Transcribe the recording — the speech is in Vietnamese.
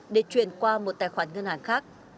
để chuyển qua một tài khoản ngân hàng khác